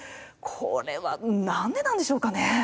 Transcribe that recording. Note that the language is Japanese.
これは何でなんでしょうかね？